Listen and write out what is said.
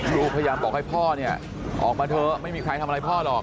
ลูกพยายามบอกให้พ่อเนี่ยออกมาเถอะไม่มีใครทำอะไรพ่อหรอก